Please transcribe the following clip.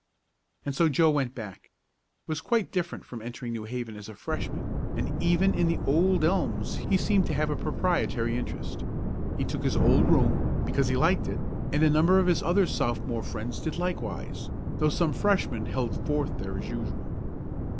And so Joe went back. It was quite different from entering New Haven as a Freshman, and even in the old elms he seemed to have a proprietary interest. He took his old room, because he liked it, and a number of his other Sophomore friends did likewise, though some Freshmen held forth there as usual.